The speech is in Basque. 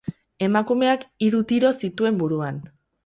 Emakumeak hiru tiro zituen buruan.